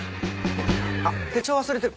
あっ手帳忘れてる。